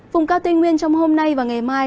vùng cao tây nguyên trong hôm nay và ngày mai